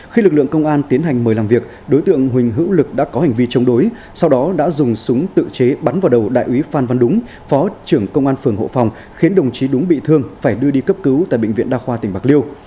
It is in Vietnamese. khi lực lượng công an tiến hành mời làm việc đối tượng huỳnh hữu lực đã có hành vi chống đối sau đó đã dùng súng tự chế bắn vào đầu đại úy phan văn đúng phó trưởng công an phường hộ phòng khiến đồng chí đúng bị thương phải đưa đi cấp cứu tại bệnh viện đa khoa tỉnh bạc liêu